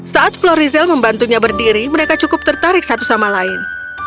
saat florizel membantunya berdiri mereka cukup tertarik satu sama lain